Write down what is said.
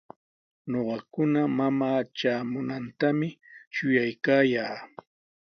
Ñuqakuna mamaa traamunantami shuyaykaayaa.